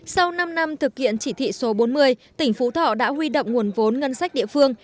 sau năm năm thực hiện chỉ thị số bốn mươi tỉnh phú thọ đã huy động nguồn vốn ngân sách địa phương